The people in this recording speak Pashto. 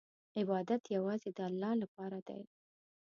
عبادت یوازې د الله لپاره دی.